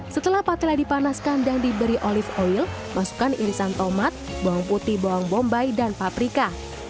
setelah patela dipanaskan dan diberi olive oil masukkan irisan tomat bawang putih bawang bombay dan paprika